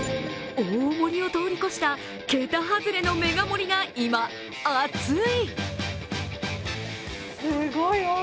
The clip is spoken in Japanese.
大盛りを通り越した桁外れのメガ盛りが今、熱い。